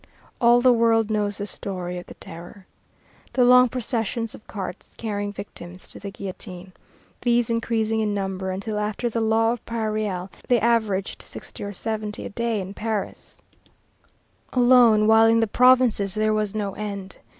All the world knows the story of the Terror. The long processions of carts carrying victims to the guillotine, these increasing in number until after the Law of Prairial they averaged sixty or seventy a day in Paris alone, while in the provinces there was no end.